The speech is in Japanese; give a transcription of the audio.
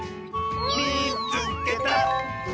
「みいつけた！」。